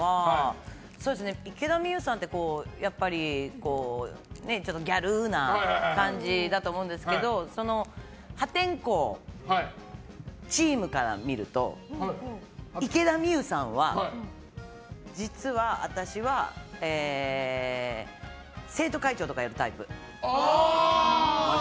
池田美優さんってやっぱりちょっとギャルな感じだと思うんですけど破天荒チームから見ると池田美優さんは、実は私は生徒会長とかやるタイプ。